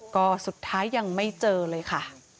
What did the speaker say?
ก็สุดท้ายยังไม่เจอเลยค่ะ